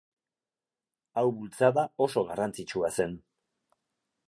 Hau bultzada oso garrantzitsua zen.